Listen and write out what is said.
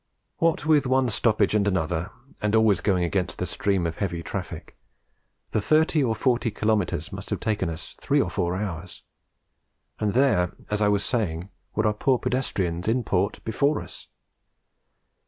What with one stoppage and another, and always going against the stream of heavy traffic, the thirty or forty kilometres must have taken us three or four hours; and there, as I was saying, were our poor pedestrians in port before us.